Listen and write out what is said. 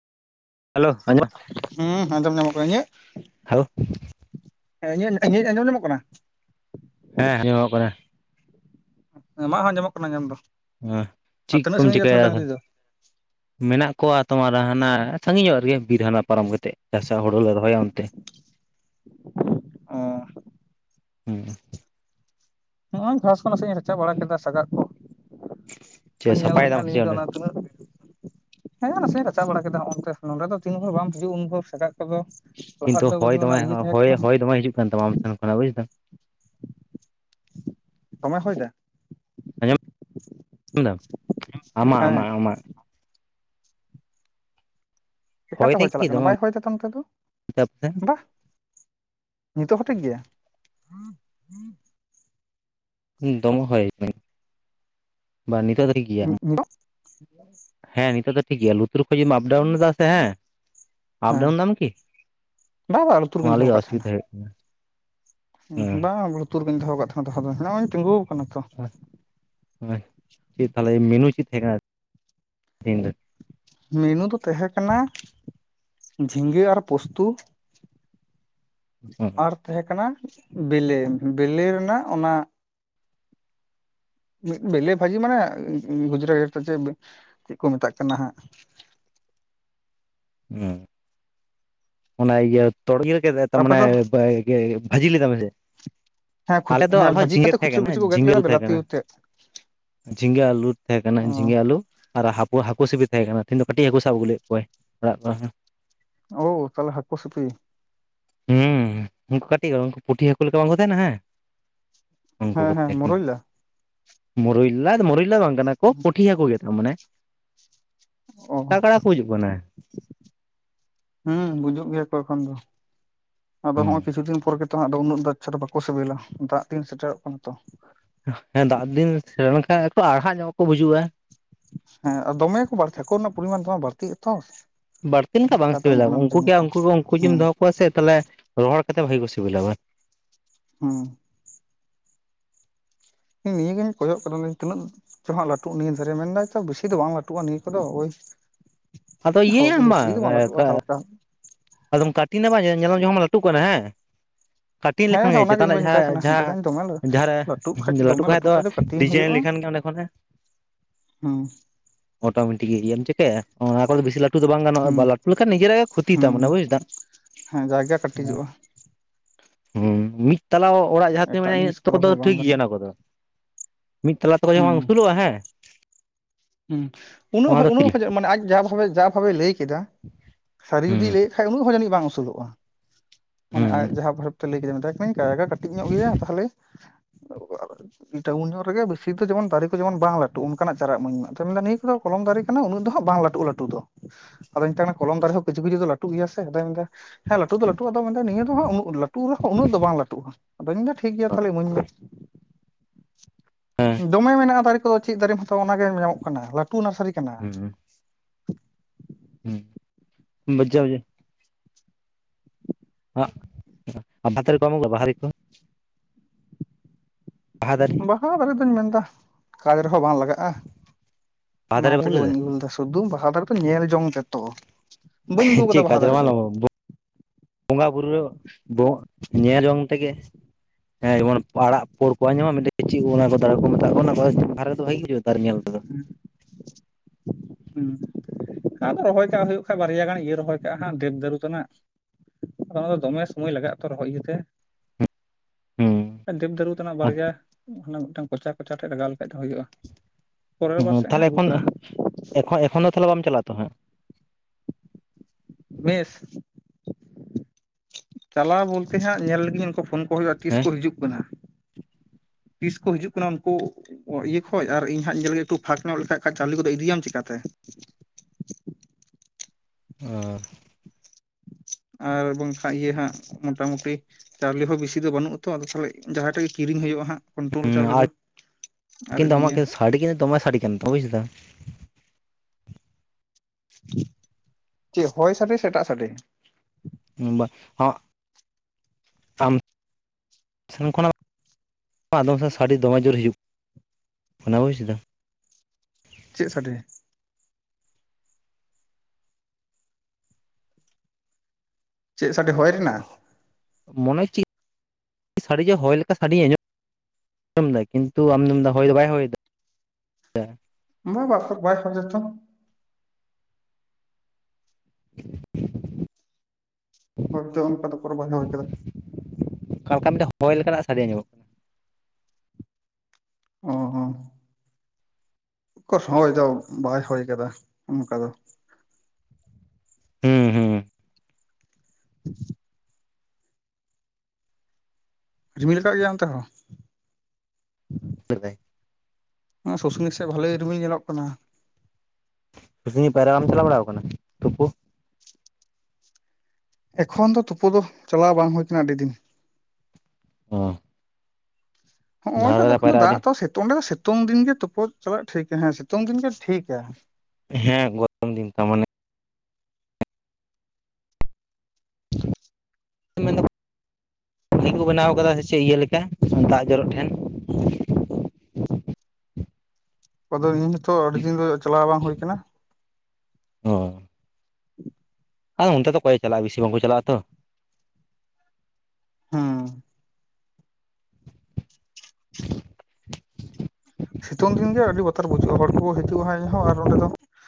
Hello ᱦᱩᱸ ᱟᱸᱡᱚᱢ ᱧᱟᱢᱚᱜ ᱠᱟᱱᱟ᱾ᱤᱧᱟᱹᱜ? ᱦᱮᱣ ᱦᱮᱸ ᱤᱧᱟᱹᱜ ᱤᱧᱟᱹᱜ ᱟᱸᱡᱚᱢ ᱧᱟᱢᱚᱜ ᱠᱟᱱᱟ? ᱦᱮᱸ ᱟᱢᱚᱜ ᱠᱟᱱᱟ᱾ ᱟᱢᱟᱜ ᱦᱚᱸ ᱟᱡᱚᱢᱚᱜ ᱠᱟᱱᱟ ᱟᱡᱚᱢ ᱫᱚ᱾ ᱟᱨ ᱪᱤᱜ ᱛᱤᱱᱟᱹᱜ ᱠᱚᱢ ᱥᱟᱺᱜᱤᱧ ᱛᱟᱦᱚᱞᱮ ᱪᱤᱠᱟᱭᱫᱟ ᱛᱟᱦᱞᱮ? ᱰᱟᱝᱨᱤ ᱫᱚ ᱢᱮᱱᱟᱜ ᱠᱚᱣᱟ ᱛᱳᱢᱟᱨ ᱦᱟᱱᱟ ᱥᱟᱺᱜᱤᱧᱚᱜ ᱨᱮᱜᱮ ᱵᱤᱨ ᱦᱟᱱᱟ ᱯᱟᱨᱚᱢ ᱠᱟ ᱛᱮᱜ ᱡᱟᱥᱟ ᱦᱩᱲᱩ ᱞᱮ ᱨᱚᱦᱚᱭᱟ ᱚᱱᱛᱮ᱾ ᱚ ᱦᱩᱸ ᱦᱚᱜ-ᱚᱭ ᱜᱷᱟᱥ ᱠᱚ ᱱᱟᱥᱮ ᱤᱧ ᱨᱟᱪᱟᱜ ᱵᱟᱲᱟ ᱠᱮᱫᱟ ᱥᱟᱜᱟᱫ ᱠᱚ᱾ ᱪᱮ ᱧᱮᱞ ᱥᱟᱯᱷᱟᱭ ᱫᱟᱹᱧ ᱫᱟᱢ ᱦᱟᱸᱜ ᱥᱮ ᱪᱮᱫ ᱱᱤᱭᱟᱹᱜᱮ ᱚᱸᱰᱮ ᱚᱱᱟ ᱛᱤᱱᱟᱹᱜ ᱦᱮᱸ ᱱᱟᱥᱮᱧ ᱨᱟᱪᱟ ᱵᱟᱲᱟ ᱠᱮᱫᱟ ᱦᱚᱜᱚᱱᱛᱮ ᱱᱚᱸᱰᱮ ᱫᱚ ᱛᱤᱱ ᱵᱷᱳᱨ ᱵᱟᱢ ᱦᱤᱡᱩᱜ ᱩᱱ ᱵᱷᱳᱨ ᱥᱟᱜᱟᱜ ᱠᱚᱫᱚ ᱞᱟᱦᱟ ᱠᱤᱱᱛᱩ ᱛᱮᱫᱚ ᱵᱩᱡᱽ ᱦᱚᱭ ᱢᱮ ᱚᱱᱟ ᱫᱚᱢᱮ ᱤᱭᱟᱹ ᱛᱟᱦᱮᱸ ᱦᱚᱭ ᱠᱟᱱᱟ ᱥᱮ ᱦᱚᱭ ᱫᱚᱢᱮ ᱦᱤᱡᱩᱜ ᱠᱟᱱ ᱛᱟᱢᱟ ᱟᱢ ᱫᱮᱱ ᱠᱷᱚᱱᱟᱜ ᱵᱩᱡ ᱫᱟᱢ᱾ ᱫᱚᱢᱮ ᱦᱚᱭ ᱫᱟ? ᱟᱸᱡᱚᱢ ᱫᱟᱢ ᱟᱢᱟᱜ ᱦᱮᱸ ᱟᱢᱟᱜ ᱟᱢᱟᱜ ᱪᱤᱠᱟᱛᱮ ᱫᱟᱭ ᱦᱚᱭ ᱠᱤ ᱪᱟᱞᱟᱜ ᱠᱟᱱᱟ? ᱫᱚᱢᱮ ᱵᱟᱭ ᱦᱚᱭ ᱫᱟ ᱛᱚ ᱱᱚᱱᱛᱮ ᱚᱱᱛᱮ ᱟᱯᱮ ᱥᱮᱱ? ᱫᱚ᱾ᱵᱟ ᱱᱤᱛᱳᱜ ᱦᱚᱸ ᱴᱷᱤᱠ ᱜᱮᱭᱟ? ᱫᱚᱢᱮ ᱦᱚᱭ ᱢᱮ ᱵᱟ ᱱᱤᱛᱚ ᱫᱚ ᱴᱷᱤᱠ ᱜᱮᱭᱟ᱾ ᱱᱤᱛᱚᱜ ᱦᱮᱸ ᱱᱤᱛᱳᱜ ᱫᱚ ᱴᱷᱤᱠ ᱜᱮᱭᱟ ᱞᱩᱛᱩᱨ ᱠᱷᱚᱡᱮᱢ ᱟᱯᱰᱟᱣᱩᱱ ᱞᱮᱫ ᱫᱟ ᱥᱮ ᱦᱮᱸ ᱟᱯᱰᱟᱣᱩᱱ ᱫᱟᱢ ᱠᱤ? ᱵᱟ ᱵᱟᱝ ᱞᱩᱛᱩᱨ ᱨᱮᱜᱮᱧ ᱫᱚᱦᱚᱶ ᱠᱟᱫ ᱪᱤ ᱛᱮ ᱦᱩᱭᱩᱜ ᱠᱟᱱᱟ? ᱵᱟᱝᱟ ᱞᱩᱛᱩᱨ ᱨᱤᱜᱤᱧ ᱫᱚᱦᱚᱣ ᱠᱟᱫ ᱛᱟᱦᱮᱱᱟ ᱫᱚᱦᱚ ᱫᱚ ᱱᱚᱜᱚᱧ ᱛᱤᱸᱜᱩᱣ ᱠᱟᱱᱟ ᱛᱚ᱾ ᱪᱮᱫ ᱛᱟᱦᱞᱮ ᱢᱮᱱᱩ ᱪᱮᱫ ᱛᱟᱦᱮᱸ ᱠᱟᱱᱟ ᱛᱮᱦᱮᱧ ᱫᱚ? ᱢᱮᱱᱩ ᱫᱚ ᱛᱟᱦᱮᱸ ᱠᱟᱱᱟ ᱡᱷᱤᱸᱜᱟᱹ ᱟᱨ ᱯᱳᱥᱛᱩ ᱦᱩᱸ ᱟᱨ ᱛᱟᱦᱮᱸ ᱠᱟᱱᱟ ᱵᱮᱞᱮ ᱵᱮᱞᱮ ᱨᱮᱱᱟᱜ ᱚᱱᱟ ᱢᱤᱫ ᱵᱮᱞᱮ ᱵᱷᱟᱡᱤ ᱢᱟᱱᱮ ᱜᱩᱡᱽᱨᱟ. ᱪᱮᱫ ᱪᱮᱜ ᱠᱚ ᱢᱮᱛᱟᱜ ᱠᱟᱱᱟ ᱦᱟᱸᱜ [unintelligible] ᱚᱱᱮ ᱤᱭᱟᱹ ᱛᱚᱲ [unintelligible] ᱠᱟᱛᱮ ᱛᱟᱨ ᱟᱯᱮ ᱢᱟᱱᱮ ᱫᱚ ᱵᱷᱟᱹᱡᱤ ᱞᱮᱫᱟᱢ ᱥᱮ ᱦᱮᱸ ᱠᱷᱩᱪ ᱟᱞᱮ ᱫᱚ ᱦᱮᱸ ᱟᱞᱦᱚᱸ ᱵᱷᱟᱹᱡᱤ ᱡᱷᱤᱸᱜᱟᱹ ᱠᱟᱛᱮ ᱛᱟᱦᱮᱸ ᱠᱷᱩᱪᱨᱟᱹ ᱠᱟᱱᱟ ᱠᱷᱩᱪᱨᱟᱹ ᱠᱚ ᱜᱮᱫ ᱡᱷᱤᱸᱜᱟᱹ ᱞᱮᱫᱟ ᱟᱞᱩ ᱛᱟᱦᱮᱸ ᱵᱮᱞᱟᱛᱤ ᱠᱟᱱᱟ᱾ ᱟᱛᱮᱫ ᱡᱷᱤᱸᱜᱟᱹ ᱟᱹᱞᱩ ᱛᱮᱦᱮᱸ ᱠᱟᱱᱟ ᱡᱷᱤᱸᱜᱟᱹ ᱟᱹᱞᱩ᱾ ᱟᱨ ᱦᱟᱹᱠᱩ ᱦᱟᱹᱠᱩ ᱥᱤᱯᱤ ᱛᱟᱦᱮᱸ ᱠᱟᱱᱟ ᱛᱮᱦᱤᱧ ᱫᱚ ᱠᱟᱹᱴᱤᱡ ᱦᱟᱹᱠᱩ ᱥᱟᱵ ᱟᱹᱜᱩ ᱞᱮᱫ ᱠᱚᱣᱟᱭ ᱚᱲᱟᱜᱼᱼ ᱳ ᱛᱟᱦᱚᱞᱮ ᱦᱠᱩ ᱥᱩᱯᱤ᱾ ᱦᱩᱸ ᱩᱱᱠᱩ ᱠᱟᱹᱴᱤᱡ ᱩᱱᱠᱩ ᱯᱩᱴᱷᱤ ᱦᱟᱹᱠᱩ ᱞᱮᱠᱟ ᱵᱟᱝᱠᱚ ᱛᱟᱦᱮᱱᱟ ᱦᱮᱸ ᱩᱱᱠᱩ ᱦᱮᱸ ᱠᱚ ᱦᱮᱸ ᱛᱟᱦᱮᱸᱠᱟᱱᱟ ᱢᱚᱨᱚᱭᱞᱟ ᱢᱩᱨᱩᱭᱞᱟ ᱢᱩᱨᱩᱭᱞᱟ ᱫᱚ ᱵᱟᱝᱼᱼ ᱠᱟᱱᱟ ᱠᱚ ᱯᱩᱴᱷᱤ ᱦᱟᱠᱳ ᱜᱮ ᱛᱚ ᱢᱟᱱᱮᱼᱼ ᱚ ᱠᱟᱱᱟ ᱦᱮᱸ ᱵᱩᱡᱩᱜ ᱜᱮᱭᱟ ᱠᱚ ᱮᱠᱷᱚᱱ ᱫᱚ ᱟᱫᱚ ᱦᱩᱸ ᱦᱚᱸᱜᱼᱚᱭ ᱠᱤᱪᱷᱩ ᱫᱤᱱ ᱯᱚᱨᱜᱮ ᱱᱤᱛ ᱫᱚ ᱩᱱᱟᱹᱜ ᱫᱚ ᱟᱪᱪᱷᱟ ᱫᱚ ᱵᱟᱠᱚ ᱥᱤᱵᱤᱞᱟ ᱫᱟᱜ ᱫᱤᱱ ᱥᱮᱴᱮᱨᱚᱜ ᱠᱟᱱᱟ ᱛᱚ᱾ ᱦᱮᱸ ᱫᱟᱜ ᱫᱤᱱ ᱥᱮᱴᱮᱨ ᱞᱮᱱᱠᱷᱟᱱ ᱜᱮ ᱦᱟᱬᱦᱟᱜ ᱧᱚᱜ ᱜᱮᱠᱚ ᱵᱩᱡᱩᱜᱼᱟ᱾ ᱦᱮᱸ ᱫᱚᱢᱮ ᱜᱮ ᱠᱚ ᱵᱟᱹᱲᱛᱤᱜᱼᱟ ᱟᱠᱚ ᱨᱮᱱᱟᱜ ᱯᱚᱨᱤᱢᱟᱱ ᱫᱚᱢᱮ ᱵᱟᱹᱲᱛᱤᱜᱼᱟ ᱛᱚ ᱵᱟᱹᱲᱛᱤ ᱞᱮᱠᱟ ᱵᱟᱝ ᱪᱤᱠᱟᱛᱮ ᱥᱤᱵᱤᱞᱟ ᱩᱱᱟᱹᱜ ᱮᱢ ᱩᱱᱠᱩ ᱡᱚᱢ ᱜᱮ ᱠᱚᱣᱟ ᱩᱱᱠᱩ ᱩᱱᱠᱩ ᱡᱮᱢ ᱦᱩᱸ ᱫᱚᱦᱚ ᱠᱚᱣᱟ ᱥᱮ ᱛᱟᱦᱚᱞᱮ ᱨᱚᱦᱚᱲ ᱠᱟᱛᱮ ᱵᱷᱟᱜᱤ ᱠᱚ ᱥᱤᱵᱤᱞᱟ᱾ ᱦᱩᱸ ᱱᱤᱭᱟᱹᱜ ᱜᱮᱧ ᱦᱟᱸᱜ ᱠᱚᱡᱚᱜ ᱠᱟᱫᱟᱞᱤᱧ ᱛᱤᱱᱟᱹᱜᱼᱼ ᱦᱟᱸᱜ ᱞᱟᱹᱴᱩᱜ ᱱᱤᱭᱟᱹ ᱫᱷᱟᱨᱮ ᱢᱮᱱᱫᱟᱭ ᱛᱚ ᱵᱮᱥᱤ ᱫᱚ ᱵᱟᱝ ᱞᱟᱹᱴᱩᱜᱼᱟ ᱱᱤᱭᱟᱹ ᱠᱚᱫᱚ ᱳᱭ ᱟᱫᱚ ᱦᱳᱭ ᱤᱭᱟᱹᱭᱟᱢ ᱵᱮᱥᱤ ᱫᱚ ᱵᱟᱝ ᱞᱟ. ᱴᱩᱜᱼᱟ ᱦᱟᱞᱠᱟ ᱟᱫᱚᱢ ᱠᱟᱹᱴᱤᱱᱟ ᱵᱟᱝ ᱧᱮᱞ ᱡᱚᱠᱷᱱ ᱞᱟᱹᱴᱩᱜ ᱠᱟᱱᱟ ᱦᱮᱸ ᱠᱟᱴᱤᱝ ᱦᱮᱸ ᱞᱮᱠᱷᱟᱱ ᱦᱮᱸ ᱜᱮ ᱚᱱᱟᱜᱮ ᱪᱮᱛᱟᱱ ᱤᱧ ᱨᱮ ᱜᱚᱧ ᱡᱟᱦᱟᱸ ᱢᱮᱛᱟᱭ ᱠᱟᱱᱟ ᱢᱮᱛᱟᱭ ᱠᱟᱹᱱᱟᱹᱧ ᱫᱚᱢᱮ ᱡᱟᱦᱟᱸ ᱡᱟᱦᱟᱸᱨᱮ ᱞᱟᱹᱴᱩᱜ ᱠᱷᱟᱡ ᱞᱟᱹᱴᱩ ᱫᱚᱢᱮ ᱠᱷᱟᱱ ᱫᱚ ᱞᱟᱹᱴᱩᱜ ᱠᱷᱟᱡ ᱠᱟᱹᱴᱤᱱ ᱰᱤᱡᱟᱭᱤᱱ ᱞᱮᱠᱷᱟᱱ ᱜᱮ ᱚᱸᱰᱮ ᱠᱷᱚᱱ ᱦᱟᱜ [inaudible] ᱦᱮᱸ ᱚᱴᱳᱢᱮᱴᱤᱠ ᱜᱮ ᱤᱭᱟᱹ ᱮᱢ ᱪᱤᱠᱟ. ᱭᱟ ᱚᱱᱟ ᱠᱚᱫᱚ ᱵᱤᱥᱤ ᱞᱟᱹᱴᱩ ᱫᱚ ᱵᱟᱝ ᱜᱟᱱᱚᱜᱼᱟ ᱦᱩᱸ ᱞᱟᱹᱴᱩ ᱞᱮᱠᱷᱟᱱ ᱱᱤᱡᱮᱨᱟᱜ ᱜᱮ ᱠᱷᱚᱛᱤ ᱦᱩᱸ ᱛᱟᱢᱟᱱᱮ ᱵᱩᱡ ᱫᱟᱢ ᱦᱮᱸ ᱡᱟᱭᱜᱟ ᱠᱟᱹᱴᱤᱡᱚᱜᱼᱟ᱾ ᱦᱮᱸ ᱢᱤᱫ ᱛᱟᱞᱟ ᱚᱲᱟᱜ ᱡᱟᱦᱟᱸᱛᱤᱱᱟᱹ ᱮᱴᱟᱜ ᱢᱮᱱᱟ ᱡᱤᱱᱤᱥ ᱠᱚ ᱤᱱᱟᱹᱫᱚ ᱨᱚᱦᱚᱭ ᱵᱟᱝ ᱴᱷᱤᱠ ᱜᱮᱭᱟ ᱜᱟᱱᱚᱜᱼᱟ ᱚᱱᱟ ᱠᱚᱫᱚ᱾ ᱢᱤᱫ ᱛᱟᱞᱟ ᱛᱠᱫᱚ ᱡᱮ ᱵᱟᱝ ᱟᱹᱥᱩᱞᱚᱜᱼᱟ ᱦᱮᱸᱼᱼ ᱦᱩ ᱩᱱᱟᱹᱜ ᱦᱚᱭ ᱴᱷᱤᱠ ᱩᱱᱟᱹᱜ ᱢᱟᱱᱮ ᱟᱡ ᱡᱟ ᱵᱷᱟᱵᱮ ᱡᱟ ᱵᱷᱟᱵᱮ ᱞᱟᱹᱭ ᱠᱮᱫᱟ ᱥᱟᱹᱨᱤ ᱡᱩᱫᱤ ᱦᱩᱸ ᱞᱟᱹᱭᱼᱼ ᱠᱷᱟᱡ ᱩᱱᱟᱹᱜ ᱦᱚᱸ ᱡᱟᱹᱱᱤᱡ ᱵᱟᱝ ᱟᱹᱥᱩᱞᱚᱜᱼᱟ ᱢᱟᱱᱮ ᱟᱡ ᱦᱩᱸ ᱡᱟᱦᱟᱸ ᱵᱷᱟᱵ ᱛᱮ ᱞᱟᱹᱭ ᱠᱮᱫᱭ ᱢᱮᱛᱟᱭ ᱠᱟᱱᱟᱹᱧᱼᱼ ᱡᱟᱭᱜᱟ ᱠᱟᱹᱴᱤᱡ ᱧᱚᱜ ᱜᱮᱭᱟ ᱛᱟᱦᱚᱞᱮᱼᱼ ᱴᱟᱣᱩᱱ ᱧᱚᱜ ᱨᱮᱜᱮ ᱵᱮᱥᱤ ᱫᱚ ᱡᱮᱢᱚᱱ ᱫᱟᱨᱮ ᱠᱚ ᱡᱮᱢᱚᱱ ᱵᱟᱝ ᱞᱟᱹᱴᱩᱜ ᱚᱱᱠᱟᱱᱟᱜ ᱪᱟᱨᱟᱜ ᱤᱢᱟᱹᱧ ᱢᱮ ᱟᱫᱼᱼ ᱢᱮᱱ ᱮᱫᱟ ᱱᱤᱭᱟᱹ ᱠᱚᱫᱚ ᱠᱚᱞᱚᱢ ᱫᱟᱨᱮ ᱠᱟᱱᱟ ᱩᱱᱟᱹᱜ ᱫᱚ ᱦᱟᱸ ᱵᱟᱝ ᱞᱟᱹᱴᱩᱜᱼᱟ ᱞᱟᱹᱴᱩ ᱫᱚ᱾ ᱟᱫᱚᱧ ᱢᱮᱛᱟᱭ ᱠᱟᱱᱟ ᱠᱞᱚᱢ ᱫᱟᱨᱮ ᱦᱚᱸ ᱠᱤᱪᱩ ᱠᱤᱪᱷᱩ ᱫᱚ ᱞᱟᱹᱴᱩᱜ ᱜᱮᱭᱟ ᱥᱮ ᱟᱫᱚᱧ ᱢᱮᱱ ᱮᱫᱟᱼᱼ ᱦᱮᱸ ᱞᱟᱹᱴᱩ ᱫᱚ ᱞᱟᱹᱴᱩᱜᱼᱟ ᱟᱫᱚ ᱢᱮᱱᱫᱟ ᱱᱤᱭᱟᱹ ᱫᱚ ᱦᱟᱜ ᱞᱟᱹᱩᱜ ᱨᱮᱦᱚᱸ ᱩᱱᱟᱹᱜ ᱫᱚ ᱵᱟᱝ ᱞᱟᱹᱴᱩᱜᱼᱟ᱾ ᱟᱫᱚᱧ ᱞᱮᱫᱟ ᱴᱷᱤᱠ ᱜᱮᱭᱟ ᱛᱟᱦᱚᱞᱮ ᱤᱢᱟᱹᱧ ᱢᱮ [inaudible] ᱫᱚᱢᱮ ᱢᱮᱱᱟᱜᱼᱟ ᱫᱟᱨᱮ ᱠᱚᱫᱚ ᱪᱮᱫ ᱫᱟᱨᱮᱢ ᱦᱟᱛᱟᱣᱟ ᱚᱱᱟᱜᱮ ᱧᱟᱢᱚᱜ ᱠᱟᱱᱟ ᱞᱟᱹᱴᱩ ᱱᱟᱨᱥᱟᱨᱤᱼᱼ ᱦᱮᱸᱻ ᱦᱩᱸ [inaudible] [unintelligible] ᱵᱟᱦᱟ ᱫᱟᱨᱮ ᱠᱚ ᱵᱟᱦᱟ ᱫᱟᱨᱮ ᱠᱚ ᱫᱟᱨᱮ ᱵᱟᱦᱟ ᱫᱟᱨᱮ ᱫᱚᱩᱧ ᱢᱮᱱᱫᱟ ᱠᱟᱡᱽ ᱨᱮᱦᱚᱸ ᱵᱟᱝ ᱞᱟᱜᱟᱜᱼᱟ᱾ ᱵᱟᱦᱟ ᱚᱱᱟ ᱫᱟᱨᱮ ᱵᱟᱢ ᱛᱮᱜᱮ ᱵᱟᱹᱧ ᱟᱹᱜᱩ ᱞᱮᱫᱟ ᱥᱩᱫᱩ ᱵᱟᱦᱟ ᱫᱟᱨᱮ ᱫᱚ ᱧᱮᱞ ᱡᱚᱝ ᱛᱮᱛᱚ᱾ ᱵᱟᱹᱧ ᱟᱹᱜᱩ ᱪᱮᱫ ᱠᱟᱫᱟ ᱵᱟᱦᱟ ᱠᱟᱡᱨᱮ ᱫᱟᱨᱮ ᱵᱟᱝ ᱫᱚ ᱞᱟᱜᱟᱜ [inaudible] ᱵᱚᱸᱜᱟ ᱵᱩᱨᱩ ᱨᱮ ᱧᱮᱞ ᱡᱚᱝ ᱛᱮᱜᱮᱼᱼ ᱦᱮᱸ ᱡᱮᱢᱚᱱ ᱟᱲᱟᱜ ᱯᱚᱨ ᱠᱚ ᱧᱟᱢᱚᱜ ᱪᱮᱫ ᱚᱱᱟ ᱠᱚ ᱫᱟᱨᱮ ᱠᱚ ᱢᱮᱛᱟᱜ ᱠᱚ ᱚᱱᱟ ᱨᱮᱫᱚ ᱵᱷᱟᱜᱤ ᱜᱮ ᱦᱩᱜᱼᱟ ᱧᱮᱞ ᱛᱮᱫᱚ᱾ ᱦᱮᱸ ᱟᱫᱚ ᱨᱚᱦᱚᱭ ᱠᱟᱜ ᱦᱩᱭᱩᱜ ᱠᱷᱟᱱ ᱵᱟᱨᱭᱟ ᱜᱟᱱ ᱤᱭᱟᱹ ᱨᱚᱦᱚᱭ ᱠᱟᱜᱼᱟ ᱦᱟᱸᱜ ᱫᱮᱵ ᱫᱟᱹᱨᱩ ᱛᱟᱱᱟᱜ ᱟᱫᱚ ᱚᱱᱟ ᱫᱚ ᱫᱚᱢᱮ ᱥᱚᱢᱚᱭ ᱞᱟᱜᱟᱜᱼᱟ ᱛᱚ ᱨᱚᱦᱚᱭ ᱤᱭᱟᱹᱛᱮ ᱫᱮᱵ ᱫᱟᱹᱨᱩ ᱛᱟᱱᱟᱜ ᱵᱟᱨᱭᱟ ᱚᱱᱟ ᱢᱤᱫᱴᱟᱱ ᱠᱚᱪᱟ ᱠᱚᱪᱟ ᱴᱷᱮᱡ ᱞᱟᱜᱟᱣ ᱞᱮᱠᱷᱟᱡ ᱫᱚ ᱦᱩᱭᱩᱜᱼᱟ᱾ ᱯᱚᱨᱮᱨ ᱵᱟᱨ ᱥᱮᱫ ᱦᱟᱸᱜ ᱟᱹᱜᱩ ᱠᱟᱜᱼᱟ᱾ ᱮᱠᱷᱚ ᱮᱠᱷᱚᱱ ᱛᱚ ᱛᱟᱦᱚᱞᱮ ᱵᱟᱢ ᱪᱟᱞᱟᱜ ᱛᱚ ᱦᱟᱸᱜ? ᱵᱮᱥ, ᱪᱟᱞᱟᱣ ᱵᱚᱞᱛᱮ ᱦᱟᱸᱜ ᱧᱮᱞ ᱞᱮᱜᱤᱧ ᱩᱱᱠᱩ ᱯᱷᱳᱱ ᱠᱚ ᱦᱩᱭᱩᱜᱼᱟ ᱛᱤᱥ ᱦᱮᱸ ᱠᱚ ᱦᱤᱡᱩᱜ ᱠᱟᱱᱟ? ᱛᱤᱥ ᱠᱚ ᱦᱤᱡᱩᱜ ᱠᱟᱱᱟ ᱩᱱᱠᱩ? ᱚ ᱤᱭᱟᱹ ᱠᱷᱚᱡ ᱟᱨ ᱤᱧ ᱦᱟᱸᱜ ᱧᱮᱞ ᱜᱮ ᱠᱚ ᱯᱷᱟᱸᱠ ᱧᱚᱜ ᱞᱮᱠᱷᱟᱡ ᱠᱷᱟᱡ ᱪᱟᱣᱞᱤ ᱠᱚᱫᱚ ᱤᱫᱤᱭᱟᱢ ᱪᱤᱠᱟᱛᱮ? ᱚᱸ ᱟᱨ ᱵᱟᱝ ᱠᱷᱟᱡ ᱤᱭᱟᱹ ᱦᱟᱸᱜ ᱢᱚᱴᱟ ᱢᱩᱴᱤ ᱪᱟᱣᱞᱤ ᱦᱚᱸ ᱵᱤᱥᱤ ᱫᱚ ᱵᱟᱹᱱᱩᱜ ᱟᱛᱚ ᱟᱫᱚ ᱛᱟᱦᱮᱞᱮ ᱡᱟᱦᱟᱸ ᱴᱷᱮᱡ ᱜᱮ ᱠᱤᱨᱤᱧ ᱦᱩᱭᱩᱜᱼᱟ ᱦᱟᱸᱜ, ᱯᱚᱱ ᱴᱨᱚᱞ ᱦᱩᱸ ᱪᱟᱣᱞᱮ ᱫᱚ ᱟᱨ ᱤᱫᱤᱭᱟ ᱦᱟᱵᱤ ᱜᱮ ᱫᱚᱢᱮ ᱥᱟᱰᱮᱠᱟᱱ ᱛᱟᱢ ᱵᱩᱡᱽ ᱫᱟᱢ, ᱪᱮᱜ ᱦᱚᱭ ᱥᱟᱰᱮ ᱥᱮ ᱮᱴᱟᱜ ᱥᱟᱰᱮ? ᱩᱸᱻᱵᱟ ᱦᱚᱸᱜ ᱟᱢ ᱥᱮᱱ ᱠᱷᱚᱱ ᱱᱷᱟᱜ ᱟ ᱫᱚᱢ ᱥᱮ ᱥᱟᱰᱮ ᱫᱚᱢᱮ ᱡᱩᱨ ᱦᱤᱡᱩᱜ ᱠᱟᱱᱟ, ᱵᱩᱡᱽ ᱮᱫᱟᱢ᱾ ᱪᱮᱜ ᱥᱟᱰᱮ? ᱪᱮᱜ ᱥᱟᱰᱮ ᱦᱚᱭ ᱨᱮᱱᱟᱜ, ᱢᱚᱱᱮ ᱪᱮᱫ ᱥᱟᱹᱰᱤ ᱡᱮ ᱦᱚᱭ ᱞᱮᱠᱟ ᱥᱟᱰᱤ ᱟᱸᱡᱽᱚᱢ ᱟᱸᱡᱽᱼᱚᱢ ᱮᱫᱟ ᱠᱤᱱᱛᱩ ᱟᱢ ᱫᱚᱢ ᱢᱮᱱ ᱫᱟ ᱦᱚᱭ ᱫᱚ ᱵᱟᱭ ᱦᱚᱭ ᱮᱫᱟ ᱭᱟ, ᱵᱟ ᱵᱟᱝ ᱩᱠ ᱵᱟᱭ ᱯᱷᱮᱵᱽᱡᱮ ᱛᱚ, ᱦᱚᱭ ᱛᱚ ᱚᱱᱠᱟ ᱫᱚ ᱚᱠᱚᱨ ᱵᱟᱭ ᱦᱚᱭ ᱟᱠᱟᱫᱟ᱾ [unintelligible] ᱚᱠᱟ ᱞᱮᱠᱟ ᱢᱮᱫᱴᱟᱜ ᱦᱚᱭ ᱞᱮᱠᱟᱱᱟᱜ ᱥᱟᱰᱮ ᱟᱸᱡᱽᱚᱢᱚᱜ ᱠᱟᱱᱟ᱾ ᱚᱸᱦᱚᱸ, ᱠᱚᱥ ᱦᱚᱭ ᱫᱚ ᱵᱟᱭ ᱦᱚᱭ ᱟᱠᱟᱫᱟ, ᱚᱱᱠᱟ ᱫᱚ᱾ ᱦᱩᱸ ᱦᱩᱸ᱾ [inaudible] ᱨᱤᱢᱤᱞ ᱟᱠᱟᱜ ᱜᱮᱭᱟ ᱚᱱᱛᱮ ᱦᱚᱸ? ᱩᱠᱷᱟᱹᱲ ᱮᱫᱟᱭ, ᱱᱚᱣᱟ ᱥᱩᱥᱱᱤᱠ ᱥᱮᱫ ᱵᱷᱟᱞᱮ ᱨᱤᱢᱤᱞ ᱧᱮᱞᱚᱜ ᱠᱟᱱᱟ, ᱥᱩᱥᱱᱤ ᱯᱟᱭᱨᱟᱢ ᱪᱟᱞᱟᱣ ᱵᱟᱲᱟᱣ ᱟᱠᱟᱱᱟ, ᱛᱩᱯᱩ? ᱮᱠᱷᱚᱱ ᱫᱚ ᱛᱩᱯᱩ ᱫᱚ ᱪᱟᱞᱟᱣ ᱵᱟᱝ ᱦᱩᱭ ᱟᱠᱟᱱᱟ ᱟᱹᱰᱤ ᱫᱤᱱ᱾ ᱦᱩᱸ, ᱦᱚᱸᱜᱼᱚᱸᱭ ᱛᱚ ᱛᱮᱠᱷᱚᱱ ᱫᱚ ᱯᱟᱭᱨᱟ ᱫᱟᱜ ᱟᱹᱰᱤ ᱛᱚ ᱥᱤᱛᱩᱝ ᱨᱮᱜᱮ ᱥᱤᱛᱩᱝ ᱫᱤᱱ ᱜᱮ ᱛᱳᱯᱳ ᱪᱟᱞᱟᱜ ᱴᱷᱤᱠᱼᱟ ᱦᱮᱸ ᱥᱮ, ᱥᱤᱛᱩᱝ ᱫᱤᱱ ᱜᱮ ᱴᱷᱤᱠᱼᱟ᱾ ᱦᱮᱸ ᱜᱚᱨᱚᱢ ᱫᱤᱱ ᱛᱚ ᱢᱟᱱᱮ ᱢᱮᱱ ᱫᱚ [unintelligible] ᱵᱷᱟᱹᱜᱤ ᱜᱮᱠᱚ ᱵᱮᱱᱟᱣ ᱟᱠᱟᱫᱟ ᱥᱮ ᱪᱮᱜ ᱤᱭᱟᱹ ᱞᱮᱠᱟ ᱫᱟᱜ ᱡᱚᱨᱚᱜ ᱴᱷᱮᱸᱱ? ᱟᱫᱚ ᱤᱧ ᱱᱤᱛᱚᱜ ᱟᱹᱰᱤ ᱫᱤᱱ ᱨᱮ ᱪᱟᱞᱟᱣ ᱵᱟᱝ ᱦᱩᱭ ᱟᱠᱟᱱᱟ? ᱚ [inaudible] ᱟᱨ ᱚᱱᱛᱮ ᱫᱚ ᱚᱠᱚᱭ ᱪᱟᱞᱟᱜᱼᱟ ᱵᱮᱥᱤ ᱵᱟᱝᱠᱚ ᱪᱟᱞᱟᱜᱼᱟ ᱛᱚ? ᱦᱩᱸ ᱥᱤᱛᱩᱝ ᱫᱤᱱ ᱜᱮ ᱟᱹᱰᱤ ᱵᱚᱛᱚᱨ ᱵᱩᱡᱽᱼᱚᱜᱼᱟ, ᱦᱚᱲ ᱠᱚᱠᱚ ᱦᱤᱡᱩᱜᱼᱟ ᱤᱧ ᱦᱚᱸ ᱟᱨ ᱚᱸᱰᱮ ᱫᱚ